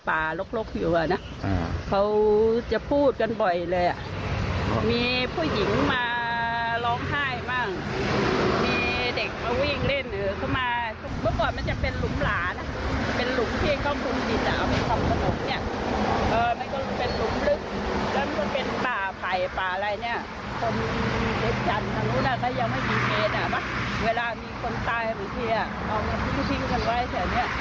เวลามีคนตายหรือเทียงเอาไว้ทิ้งกันไว้แค่เนี่ย